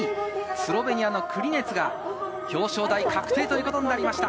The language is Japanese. スロベニアのクリネツが表彰台確定となりました。